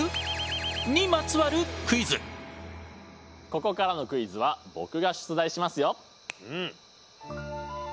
ここからのクイズはボクが出題しますよ。